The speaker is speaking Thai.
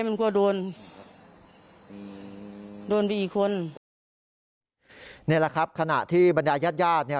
มันกลัวโดนโดนไปอีกคนนี่แหละครับขณะที่บรรยายญาติญาติ